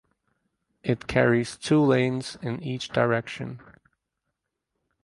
It carries two lanes in each direction.